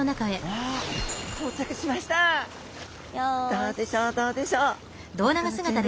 どうでしょうどうでしょう。